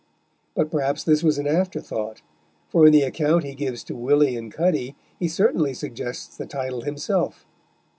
But perhaps this was an afterthought, for in the account he gives to Willy and Cuddy he certainly suggests the title himself.